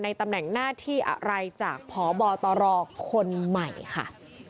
ตำแหน่งหน้าที่อะไรจากพบตรคนใหม่ค่ะ